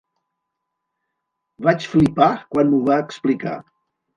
Vaig flipar quan m'ho va explicar.